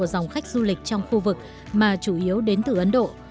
dòng khách du lịch trong khu vực mà chủ yếu đến từ ấn độ